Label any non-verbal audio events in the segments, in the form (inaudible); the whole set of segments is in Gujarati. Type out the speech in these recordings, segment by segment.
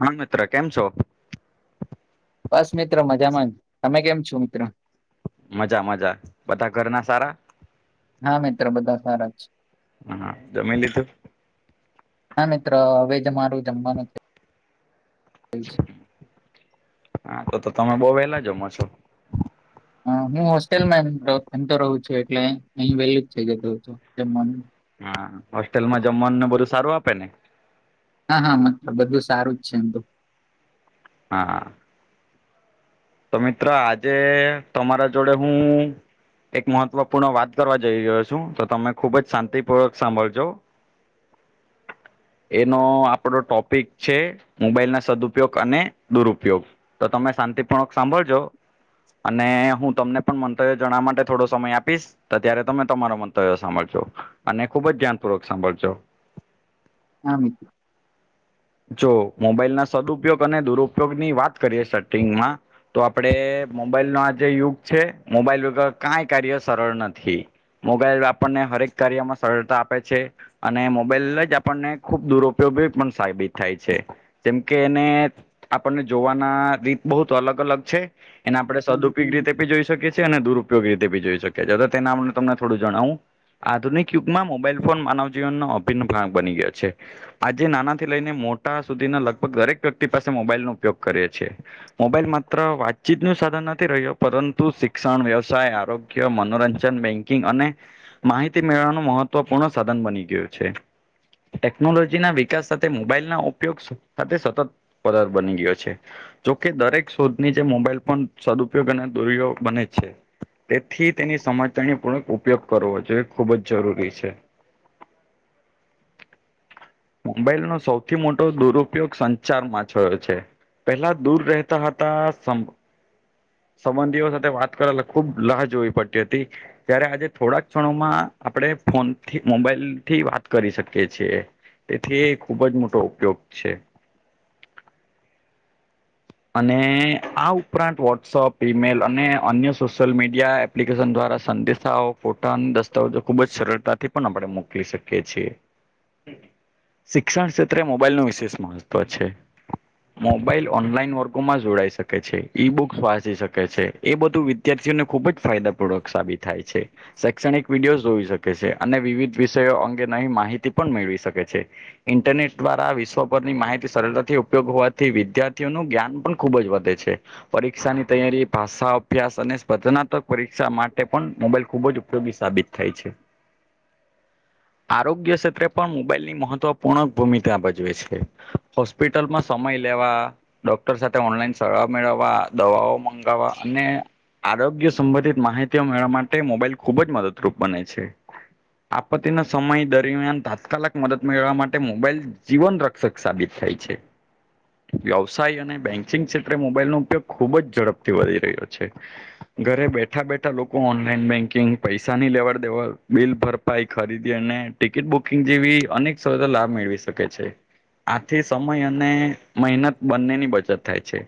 હા, મિત્ર કેમ છો? બસ મિત્ર મજામાં. તમે કેમ છો મિત્ર? મજા મજા બધાં ઘરના સારા હા, મિત્ર બધા સારા જ હા, જમી લીધું? હા, મિત્ર હવે જમારું જમવાનું છે. હા, તો તો તમે બઉુ વહેલા જમો છો. હ હું હોસ્ટેલમાં એ એમતો એમતો રહું છું એટલે અહી વેલું જ થઈ જાઉં છું તેમાં. હા, હોસ્ટેલ માં જમવાનુંને બધુ સારું આપે ને? હા હા મતલબ બધું સારું જ છે એમ તો. હા. તો મિત્ર આજે તમારા જોડે હું એક મહત્વપૂર્ણ વાત કરવા જઈ રહ્યો છું તો તમે ખુબ જ શાંતિપૂર્વક સાંભળજો. એનો આપડો ટોપિક છે મોબાઈલ ના સદુપયોગ અને દુરુપયોગ. તો તમે શાંતિપૂર્વક સાંભળજો. અને હું તમને પણ મંતવ્ય જણાવવા માટે થોડો સમય આપીશ તો ત્યારે તમે તમારો મંતવ્ય સાંભળજો અને ખુબ જ ધ્યાનપૂર્વક સાંભળજો. હા, મિત્ર. જો મોબાઈલ ના સદઉપયોગ અને દુરુપયોગ ની વાત કરીએ સટિંગમાં તો આપડે મોબાઈલ નો આ જે યુગ છે મોબાઈલ વગર કઈ કાર્ય સરળ નથી. મોબાઈલ આપણને હરેક કાર્યમાં સરળતા આપે છે. અને મોબાઈલ જ આપણને ખુબ દુરુપયોગી પણ સાબિત થાય છે. જેમ કે એને આપણને જોવાના રીત બહુ અલગ અલગ છે. એને આપડે સદઉપયોગ રીતે બી જોઈ શકીએ છીએ અને દુરુપયોગ રીતે બી જોઈ શકીએ છીએ તો તેના આપ તમને થોડું જણાવું. આધુનિક યુગમાં મોબાઈલ ફોન માનવ જીવનનો અભિન્ન ભાગ બની ગયો છે આજે નાનાથી લઈ ને મોટા સુધીના લગભગ દરેક વ્યક્તિ પાસે મોબાઈલ નો ઉપયોગ કરીએ છીએ. મોબાઈલ માત્ર વાતચીત નું સાધન નથી રહ્યો પરંતુ શિક્ષણ વ્યવસાય આરો ગ્ય મનોરંજન બેંકિંગ અને માહિતી મેળવવાનું મહત્વપૂર્ણ સાધન બની ગયું છે. ટેકનોલોજી ના વિકાસ સાથ તે મોબાઈલ ના ઉપયોગ સાથે સતત પદાર્થ બની ગયો છે. જોકે દરેક શોધની જે મોબાઈલ પણ સદુપયોગ અને દુરયોગ બને છે. તેથી તેની સમજતાની પૂર્ણક ઉપયોગ કરવો જોઈએ ખુબ જ જરૂરી છે. મોબાઈલ નો સૌથી મોટો દુરુપયોગ સંચારમાં છયો છે. પહેલા દૂર રહેતા હતા સંભ સંબંધીઓ સાથે વાત કરલા ખુબ લહ જોવી પડતી હતી ત્યારે આજે થોડાક ક્ષણોમાં આપણે ફોનથી મોબાઈલ થી વાત કરી શકીએ છીએ. તેથી ખુબ જ મોટો ઉપયોગ છે. અને આ ઉપરાંત વોટ્સઅપ ઇમેલ અને અન્ય સોશિયલ મીડિયા એપ્લિકેશન દ્વારા સંદેશાઓ ફોટા અને દસ્તાવેજો ખૂબ જ સરળતાથી પણ આપણે મોકલી શકીએ છીએ. (unintelligible) શિક્ષણ ક્ષેત્રે મોબાઈલ નું વિશેષ મહત્વ છે, મોબાઈલ ઓનલાઈન વર્ગોમાં જોડાઈ શકે છે ઈ બુક વાંસી શકે છે એ બધું વિદ્યાર્થીઓને ખુબ જ ફાયદાપૂર્વક સાબિત થાય છે. શૈક્ષણિક વિડીયો હોઈ શકે છે અને વિવિધ વિષયો અંગે નવી માહિતી પણ મેળવી શકે છે. ઇન્ટરનેટ દ્વારા વિશ્વભરની માહિતી સરળતાથી ઉપયોગ હોવાથી વિદ્યા ર્થી ઓ નું જ્ઞાન પણ ખુબ જ વધે છે. પરીક્ષા ની તૈયારી ભાષા અભ્યાસ અને સ્પર્ધનાત્મક પરીક્ષા માટે પણ મોબાઈલ ખુબ જ ઉપયોગી સાબિત થાય છે. આરોગ્ય ક્ષેત્રે પણ મોબાઈલ ની મહત્વપૂર્ણ ભૂમિકા ભજવે છે. હોસ્પિટલમાં સમય લેવા ડોક્ટર સાથે ઓનલાઈન સળા મેળવવા દવાઓ મંગાવવા અને આરોગ્ય સંબંધિત માહિતીઓ મેળવા માટે મોબાઈલ ખુબ જ મદદરૂપ બને છે. આપત્તિના સમય દરમિયાન તાત્કાલિક મદદ મેળવવા માટે મોબાઈલ જીવન ર ક્ષક સાબિત થાય છે. વ્યવસાય અને બેન્કિંગ ક્ષેત્રે મોબાઈલ નો ઉપયોગ ખુબ જ ઝડપથી વધી રહ્યો છે. ઘરે બેઠા બેઠા લોકો ઓનલાઈન બેંકિંગ પૈસા ની લેવાડ દેવાડ બિલ ભર ભાઈ ખરીદી અને ટિકિટ બુકિંગ જેવી અનેક સિ લાભ મેળવી શકે છે. આથી સમય અને મહેનત બંનેની બચત થાય છે.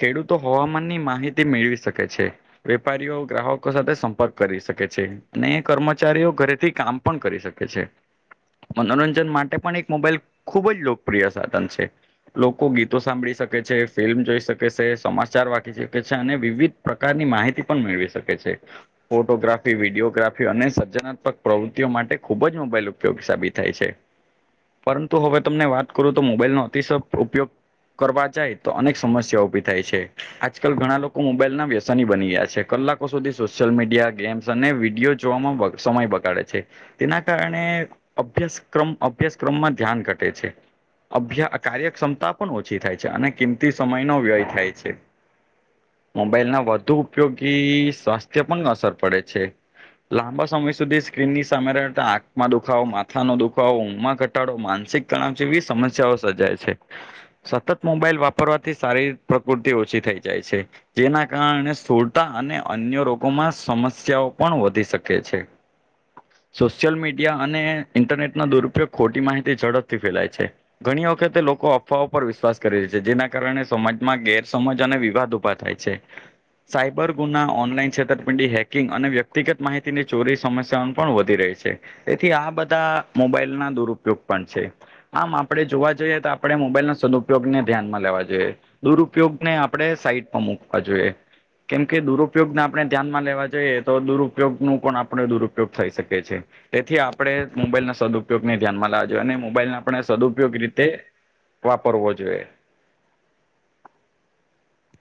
ખેડૂતો હવામાનની માહિતી મેળવી શકે છે. વેપારીઓ ગ્રાહકો સાથે સંપર્ક કરી શકે છે. અને એ કર્મચારીઓ ઘરેથી કામ પણ કરી શકે છે. મનોરંજન માટે પણ એક મોબાઈલ ખુબ જ લોકપ્રિય સાધન છે લોકોગીત સાંભળી શકે છે ફિલ્મ જોઈ શકે છે સમાચાર વાકી શકે છે અને વિવિધ પ્ર કારની માહિતી પણ મેળવી શકે છે. ફોટોગ્રાફી વિડીયોગ્રાફી અને સર્જનાત્મક પ્રવૃત્તિઓ માટે ખૂબ જ મોબાઈલ ઉપ યોગી સાબિત થાય છે. પરંતુ હવે તમને વાત કરું તો મોબાઈલનો અતિશય ઉપયોગ કરવા જાય તો અનેક સમસ્યા ઉભી થાય છે. આજકાલ ઘણા લોકો મોબાઈલ ના વ્યસની બની ગયા છે, કલાક કો સુધી સોશિયલ મીડિયા ગેમ્સ અને વિડીયો જોવામાં વ સમય બગાડે છે. તેના કારણે અભ્યાસ ક્રમ અભ્યાસક્રમમાં ધ્યાન ઘટે છે. અભ્યા કાર્યક્ષમતા પણ ઓછી થાય છે અને કિંમતી સમયનો વ્યય થાય છે. મોબાઈલ ના વધુ ઉપયોગી સ્વાસ્થ્ય પણ અસર પડે છે. લાંબા સમય સુધી સ્ક્રીનની સામેરેતા આ ખ માં દુખાવો માથાનો દુખાવો ઊંઘમાં ઘટાડો માનસિક તણાવ જેવી સમસ્યાઓ સર્જાય છે. સતત મોબાઈલ વાપરવાથી શારીર પ્રકૃતિ ઓછી થઈ જાય છે. જેના કારણે સુળતા અને અન્ય રોગોમાં સમસ્યાઓ પણ વધી શકે છે. (unintelligible) સોશિયલ મીડિયા અને ઇન્ટરનેટ ના દુરુપયોગ ખોટી માહિતી ઝડપથી ફેલાય છે. ઘણી વખતે લોકો અફવાઓ ઉપર વિશ્વાસ કરીહી છે જેના કારણે સમાજમાં ગેરસમજ અને વિવાદ ઉભા થાય છે. સાયબર ગુના ઓનલાઈન છેતરપિંડી હેકિંગ અને વ્યક્તિગત માહિતીની ચોરી સમસ્યાઓ પણ વધી રહી છે. એથી આ બધા મોબાઈલ ના દુરુપયોગ પણ છે. આમ આપણે જોવા જઈએ તો આપણે મોબાઈલ ના સદુપયોગને ધ્યાનમાં લેવા જોઈએ દુરુપયોગને આપણે સાઈટમાં મુૂકવા જોઈએ. કેમકે દુરુપયોગને આપણે ધ્યાનમાં લેવા જોઈએ તો દુરુપયોગ નું પણ આપણે દુરુપયોગ થઈ શકે છે. તેથી આપડે મોબાઈલના સદઉપયોગને ધ્યાનમાં લાવવા જોઈએ અને મોબાઈલ ના આપણે સદઉપયોગ રીતે વાપરવો જોઈએ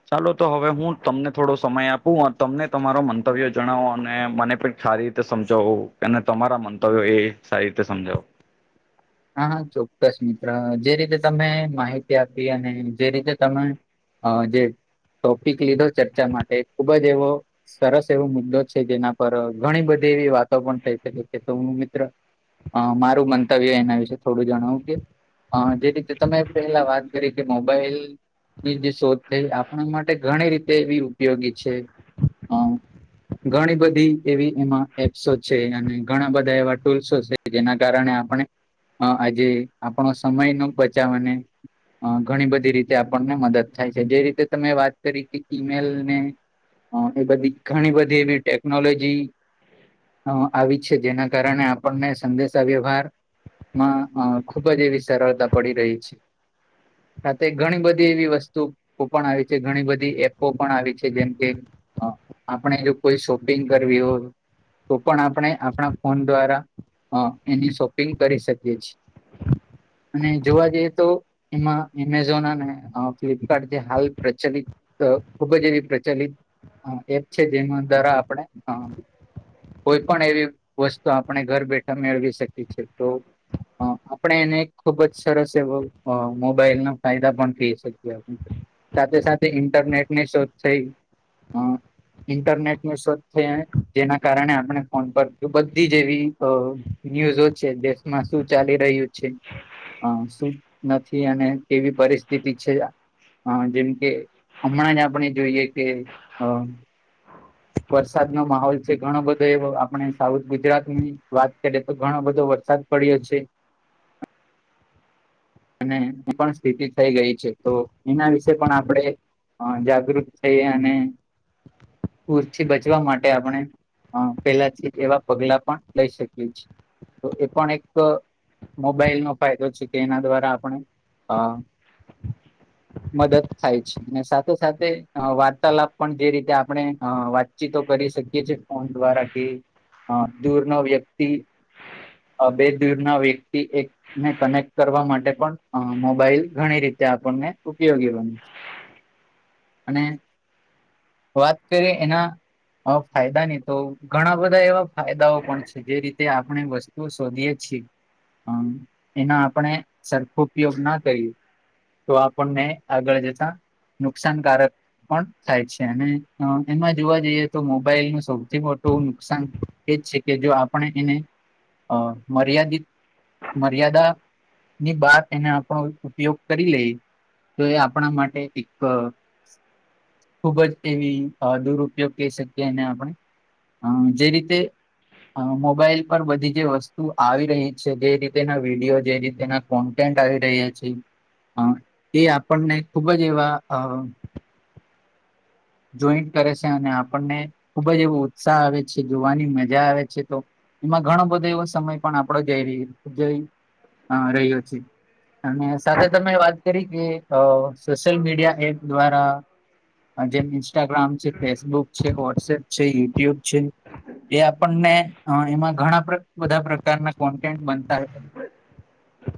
ચાલો તો હવે હું તમને થોડો સમય આપું તમને તમારો મંતવ્યો જણાવો અને મને પણ સારી રીતે સમજાવું અને તમારા મંતવ્યો એ સારી રીતે સમજાવો હા હા ચોક્કસ મિત્ર જે રીતે તમે માહિતી આપી અને જે રીતે તમે અ જે ટોપિક લીધો ચર્ચા માટે ખુબ જ એવો સરસ એવો મુદ્દો છે જેના પર ઘણી બધી એવી વાતો પણ થઈ શકે કે હું મિત્ર અ મારું મંતવ્ય એના વિશે થોડું જણાવું કે જે રીતે તમે પહેલા વાત કરી કે મોબાઈલ ની જે શોધ છે આપણા માટે ઘણી રીતે એવી ઉપયોગી છે અ (inaudible) ઘણી બધી એવી એમાં એપ્સો છે અને ઘણા બધા એવા ટૂલ્સો છે જેના કારણે આપણે હ આજે આપણો સમયનો બચાવ અને અ ઘણી બધી રીતે આપણને મદદ થાય છે જે રીતે તમે વાત કરી કે ફિમેલને એ બધી ઘણી બધી એવી ટેકનોલોજી અ આવી છે જેના કારણે આપણને સંદેશાવ્યવહાર માં ખુબ જ એવી સરળતા પડી રહી છે સાથે ઘણી બધી એવી વસ્તુ પણ આવી છે ઘણી બધી એપો પણ આવી છે જેમ કે હ આપણે જો કોઈ શોપિંગ કરવી હોય તો પણ આપણે આપણા ફોન દ્વારા અ એની શોપિંગ કરી શક કે છીએ અને જોવા જઈએ તો એમાં એમેઝોન અને ફ્લિપકાર્ટ જે હાલ પ્રચલિત ખુબ જ એવી પ્રચલિત એપ છે જેમાં દ્વારા આપણે અ કોઈ પણ એવી વસ્તુ આપણે ઘર બેઠા મેળવી શકીએ છે તો આપણે એને ખુબ જ સરસ એવો મોબાઈલ ના ફાયદા પણ થઈ શકીએ આપણે સાથે સાથે ઇન્ટરનેટ ની શોધ થઈ (inaudible) ઇન્ટરનેટ મે સ્વચ્થેૈ જેના કારણે આપણે ફોન પર બધી જ જેવી અ ન્યુઝો છે દેશ માં શું ચાલી રહ્યું છે. અ શું નથી અને કેવી પરિસ્થિતિ છે. હ જેમ કે હમણાં જ આપડે જોઈએ કે અ વરસાદ નો માહોલ છે ઘણો બધો એવો આપણે સાઉથ ગુજરાતની વાત કરીએ તો ઘણો બધો વરસાદ પડયો છે. અને એ પણ સ્થિતિ થઈ ગઈ છે તો એના વિશે પણ આપડે અ જાગૃત થઈ અને પુરથી બચવા માટે આપણે અ પેલાથી એવા પગલા પણ લઈ શકીએ છે. તો એ પણ એક મોબાઈલ નો ફાયદો છે કે એના દ્વારા આપણે અ (inaudible) મદદ થાય છે અને સાથે સાથે વાર્તાલાપ પણ જે રીતે આપણે અ વા ચીતો કરી શકીએ છીએ ફોન દ્વારા કે દૂરનો વ્યક્તિ બે દૂરના વ્યક્તિ એકને કનેક્ટ કરવા માટે પણ મોબાઈલ ઘણી રીતે આપણને ઉપયોગી બને છે અને વાત કરીએ એના હ ફાયદા નહી તો ઘણા બધા એવા ફાયદાઓ પણ છે જે રીતે આપણે વસ શોધીએ છે પણ એના આપણે સરખો ઉપયોગ ના કર્યું તો આપણને આગળ જતા નુકસાનકારક પણ થાય છે. અને એમાં જોવા જઈએ તો મોબાઈલ ન સૌથી મોટું નુકસાન એજ છે કે જો આપણે એને અ મર્યાદિત મર્યાદા ની બાાર એને આપણ ઉપયોગ કરી લઈ તો એ આપણા માટે એક અ ખુબ જ એવી દુરુપયોગ કહી શકીએ એને આપણે જે રીતે મોબાઈલ પર બધી જે વસ્તુ આવી રહી છે જે રીતેના વિડીયો જે રીતેના કોન્ટેન્ટ આવી રહ્યા છે એ આપણને ખુબ જ એવા અ જોઈન્ટ કરે છે અને આપણને ખુબ જ એવો ઉત્સાહ આવે છે જોવાની મજા આવે છે તો એમાં ઘણો બધો એવો સમય પણ આપણેે જઈ રએ જઇ અ રહ્યો છે અને સાથે તમે વાત કરી કે અ સોશિલ મીડિયા એપ દ્વારા અ, જેમ ઇન્સ્ટાગ્રામ છે ફેસબુક છે વોટ્સએપ છે યુટ્યુબ છે એ આપણને એમાં ઘણા બધા પ્રકારના કોન્ટેન્ટ બનતા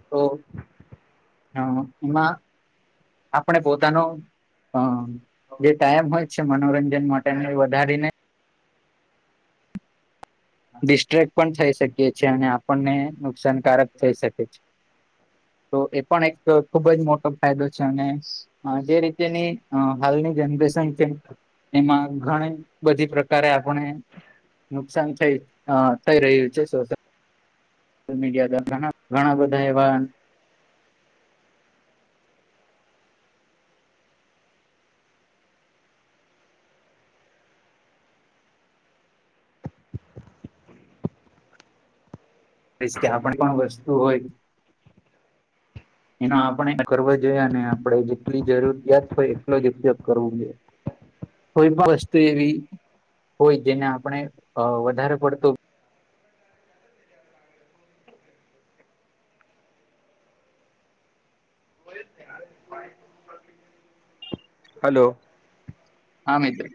તો હ એમાં આપણે પોતાનો હ જે ટાયમ હોય છે મનોરંજન માટેનો વધારી ને ડિસ્ટ્રેક પણ થઈ શકીએ છે અને આપણને નુકસાનકારક થઈ શકે છે. તો એ પણ એક ખુબ જ મોટો ફાયદો છે અને હ જે રીતેની હાલની જનરેશન છે. એમાં ઘણી બધી પ્રકારે આપણે નુકસાન થઈ થઈ રહ્યું છે સોશિયલ મીડિયા દ્વારા ઘણા બધા એવા રીસ કે આપણે પણ વસ્તુ હોય (inaudible) એનો આપણે કરવા જોઈએ ને આપડે જેટલી જરૂરીયાત હોય એટલો જ ઉપયોગ કરવો જોઈએ. (inaudible) કોઈ પણ વસ્તુ એવી હોય જેને આપણે વધારે અ પડતો હલો. હા મિત્ર.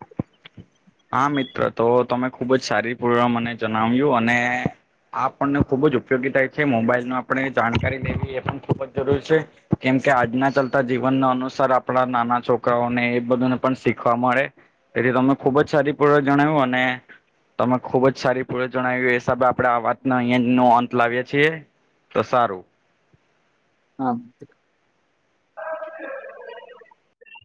હા મિત્ર તો તમે ખુબ જ સારી પૂર્ણ મને જણાવ્યું અને આ આપણને ખૂબ જ ઉપયોગી થાય છે મોબાઈલ નો આપણે જાણકારી લેવી એ પણ ખૂબ જ જરૂરી છે. કેમકે આજના ચાલતા જીવનના અનુસાર આપણા નાના છોકરાઓને એ બધુંને પણ શીખવા મળે. એથી તમે ખુબ જ સારી પણે જણાવ્યું અને તમે ખુબ જ સારી પણે જણાવ્યું એ હિસાબે આપડે આ વાતને અહિયા નો અંત લાવીએ છીએ. તો સારું હા મિત્ર.